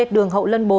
đường hậu lân bốn